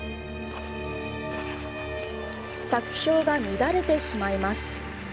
着氷が乱れてしまいます。